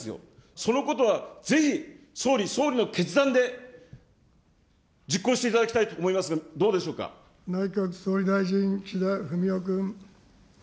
そのことは、ぜひ総理、総理の決断で、実行していただきたいと思内閣総理大臣、岸田文雄君。